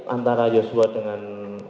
antara joshua dengan